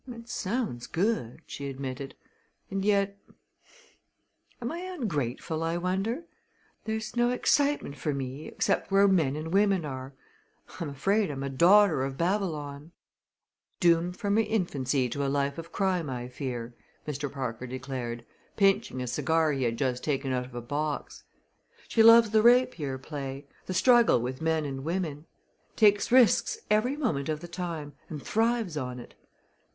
"It sounds good," she admitted, "and yet am I ungrateful, I wonder? there's no excitement for me except where men and women are. I'm afraid I'm a daughter of Babylon." "Doomed from her infancy to a life of crime, I fear," Mr. Parker declared, pinching a cigar he had just taken out of a box. "She loves the rapier play the struggle with men and women. Takes risks every moment of the time and thrives on it.